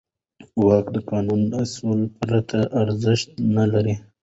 واک د قانوني اصولو پرته ارزښت نه لري.